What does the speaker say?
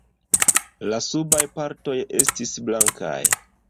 La subaj partoj estis blankaj.